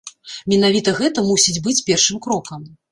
Менавіта гэта мусіць быць першым крокам.